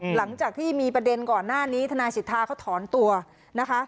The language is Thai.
หลังจากที่มีประเด็นก่อนหน้านี้ทนายสิทธาเขาถอนตัวนะคะ